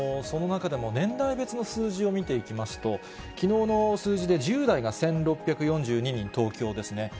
その中でも、年代別の数字を見ていきますと、きのうの数字で１０代が１６４２人、東京ですね。